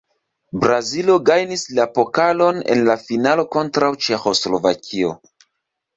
Brazilo gajnis la pokalon en la finalo kontraŭ Ĉeĥoslovakio.